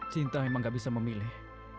cinta memang gak bisa memilih